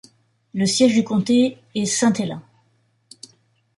Le siège du comté est Saint-Helens.